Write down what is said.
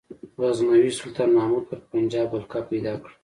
غزنوي سلطان محمود پر پنجاب ولکه پیدا کړه.